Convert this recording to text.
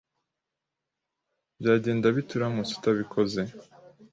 Byagenda bite uramutse utabikoze?